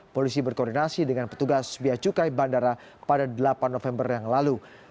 polisi berkoordinasi dengan petugas bia cukai bandara pada delapan november yang lalu